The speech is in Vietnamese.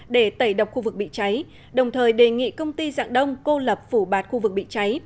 để tẩy độc khu vực bị cháy đồng thời đề nghị công ty dạng đông cô lập phủ bạt khu vực bị cháy